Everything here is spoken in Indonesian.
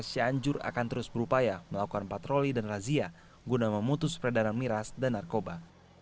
cianjur akan terus berupaya melakukan patroli dan razia guna memutus peredaran miras dan narkoba